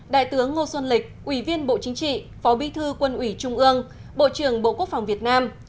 đại tướng ngô xuân lịch ủy viên bộ chính trị phó bí thư quân ủy trung ương bộ trưởng bộ quốc phòng việt nam